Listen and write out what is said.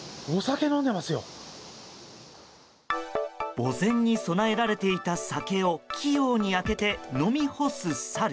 墓前に供えられていた酒を器用に開けて、飲み干すサル。